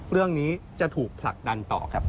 เรื่องนี้จะถูกผลักดันต่อครับ